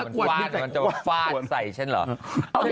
ความฝาดใส่เช่นเหรอ